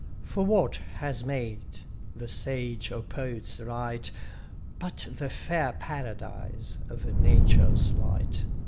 For what has made the sage or poets write But the fair paradise of Nature's light?